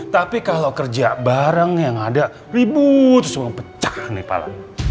tapi kalau kerja bareng yang ada ribu terus mempecah nih pala